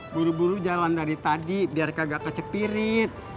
buru buru jalan dari tadi biar kagak kecepirit